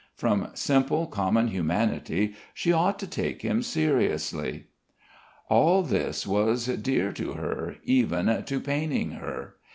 From simple, common humanity she ought to take him seriously.... All this was dear to her, even to paining her.